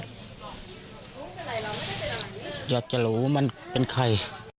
อยากจะรู้มันเป็นใคร